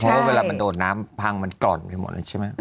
เพราะว่าเวลามันโดดน้ำพังมันกร่อนไปหมดเลยใช่ไหม